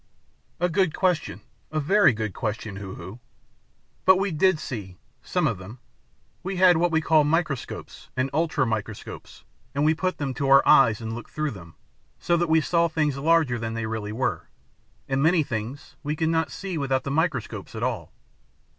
"A good question, a very good question, Hoo Hoo. But we did see some of them. We had what we called microscopes and ultramicroscopes, and we put them to our eyes and looked through them, so that we saw things larger than they really were, and many things we could not see without the microscopes at all.